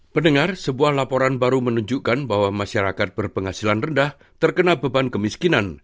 pendengar sebuah laporan baru menunjukkan bahwa masyarakat berpenghasilan rendah terkena beban kemiskinan